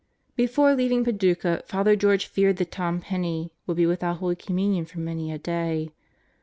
Before leaving Paducah, Father George feared that Tom Penney would be without Holy Communion for many a day.